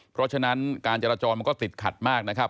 เพราะฉะนั้นการจราจรมันก็ติดขัดมากนะครับ